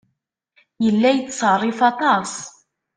Yella yettṣerrif aṭas.